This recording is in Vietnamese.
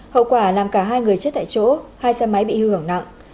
hậu quả làm cả hai người chết tại chỗ hai xe máy bị hư hỏng nặng